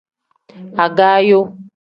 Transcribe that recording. Agaayo.